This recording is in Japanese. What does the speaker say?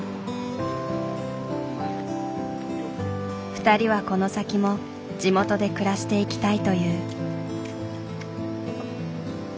２人はこの先も地元で暮らしていきたいという。